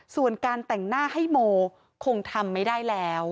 ส่วนการแต่งหน้าให้โมคงทำไม่ได้แล้ว